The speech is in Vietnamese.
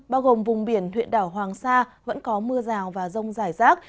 bao gồm vùng biển huyện đảo hoàng sa vẫn có mưa rào và rông rải rác